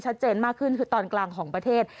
ชัดเจนมากขึ้นคือตอนกลางของประเทศ